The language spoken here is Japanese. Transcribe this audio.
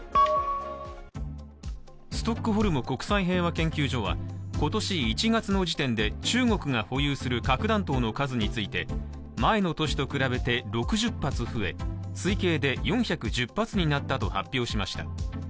ストックホルム国際平和研究所は今年１月の時点で、中国が保有する核弾頭の数について前の年と比べて６０発増え推計で４１０発になったと発表しました。